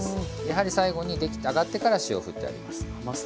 やはり最後に揚がってから塩をふってあります。